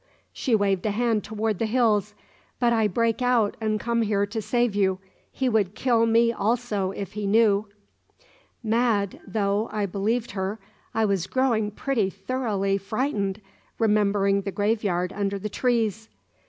She waved a hand towards the hills. "But I break out, and come here to save you. He would kill me also, if he knew." Mad though I believed her, I was growing pretty thoroughly frightened, remembering the graveyard under the trees.